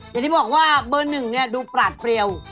อย่างที่บอกว่าเบอร์หนึ่งเนี่ยดูปราดเปรียว